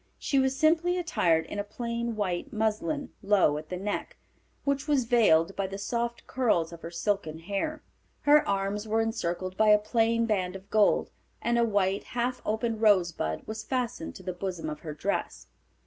She was simply attired in a plain white muslin, low at the neck, which was veiled by the soft curls of her silken hair. Her arms were encircled by a plain band of gold, and a white, half opened rosebud was fastened to the bosom of her dress.